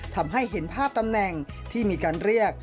ทำให้เห็นภาพตำแหน่งที่มีการเรียก